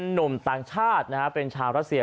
หนุ่มต่างชาติเป็นชาวรัสเซีย